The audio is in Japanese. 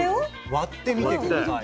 割ってみて下さい。